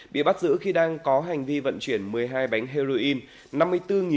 bị bắt giữ khi đang có hành vi vận chuyển một mươi hai bánh heroin